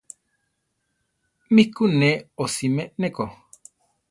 Mí ku ne osimé ne ko.